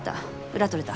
裏取れた。